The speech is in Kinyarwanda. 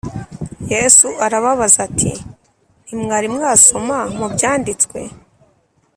Yesu arababaza ati “Ntimwari mwasoma mu byanditswe